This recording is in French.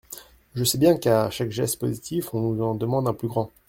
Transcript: Je sais bien qu’à chaque geste positif, on nous en demande un plus grand.